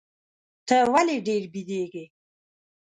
ته ولي ډېر بیدېږې؟